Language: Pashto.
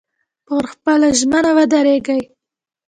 پر خپله ژمنه ودرېږئ.